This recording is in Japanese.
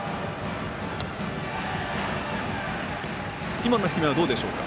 今の低めはどうでしょうか？